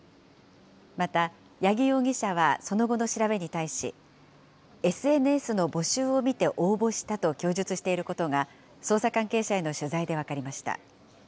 また、八木容疑者はその後の調べに対し、ＳＮＳの募集を見て応募したと供述していることが、捜査関係者への取材で分かりました。